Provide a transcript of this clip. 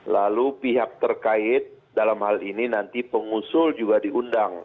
lalu pihak terkait dalam hal ini nanti pengusul juga diundang